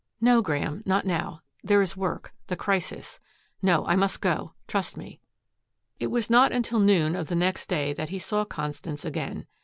"No, Graeme. Not now. There is work the crisis. No, I must go. Trust me." It was not until noon of the next day that he saw Constance again.